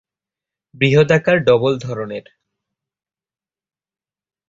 বৃহদাকার ডবল ধরনের।